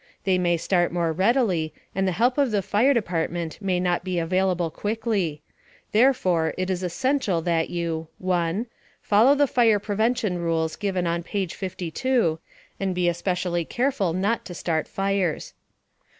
They may start more readily, and the help of the fire department may not be available quickly. Therefore, it is essential that you: 1. Follow the fire prevention rules given on page 52, and be especially careful not to start fires.